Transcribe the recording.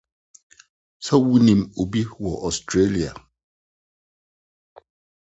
So wunim obi wɔ Australia?